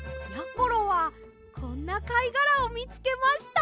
ころはこんなかいがらをみつけました。